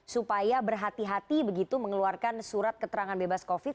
supaya berhati hati begitu mengeluarkan surat keterangan bebas covid